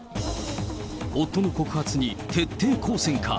夫の告発に徹底抗戦か。